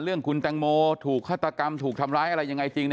เรื่องคุณแตงโมถูกฆาตกรรมถูกทำร้ายอะไรยังไงจริง